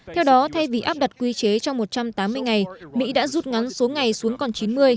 theo đó thay vì áp đặt quy chế trong một trăm tám mươi ngày mỹ đã rút ngắn số ngày xuống còn chín mươi